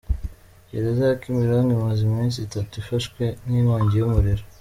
Gereza ya Kimironko imaze iminsi itatu ifashwe n'inkongi y'umuriro.